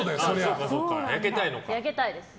焼けたいです。